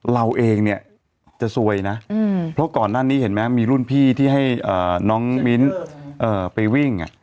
เราเองเนี่ยจะซวยนะเพราะก่อนหน้านี้เห็นไหมมีรุ่นพี่ที่ให้น้องมิ้นไปวิ่ง